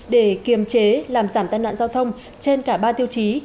để kiềm chế làm giảm tai nạn giao thông trên cả ba tiêu chí